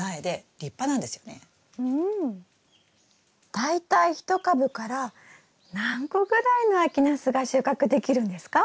大体１株から何個ぐらいの秋ナスが収穫できるんですか？